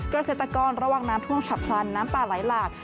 เกษตรกรระวังน้ำท่วมฉับพลันน้ำป่าไหลหลาก